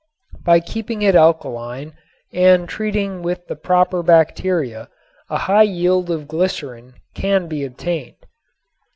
By keeping it alkaline and treating with the proper bacteria a high yield of glycerin can be obtained.